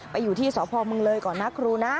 ไปอยู่ที่สพมเลยก่อนนะครูนะ